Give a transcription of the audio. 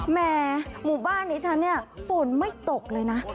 แหมหมู่บ้านนี้ฉันเนี่ยฝนไม่ตกเลยนะ